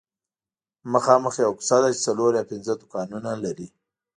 مخامخ یوه کوڅه ده چې څلور یا پنځه دوکانونه لري